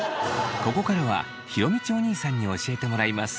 ここからは弘道おにいさんに教えてもらいます。